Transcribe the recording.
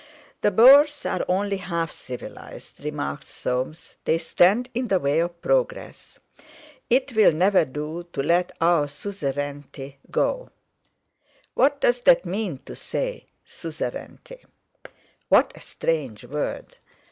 "The Boers are only half civilised," remarked Soames; "they stand in the way of progress. It will never do to let our suzerainty go." "What does that mean to say? Suzerainty!" "What a strange word!"